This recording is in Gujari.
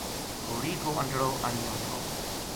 گھوڑی کو انٹڑو آنیو تھو